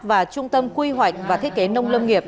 và trung tâm quy hoạch và thiết kế nông lâm nghiệp